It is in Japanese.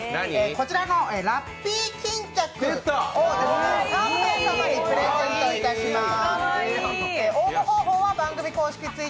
こちらのラッピー巾着を３名様にプレゼントいたします。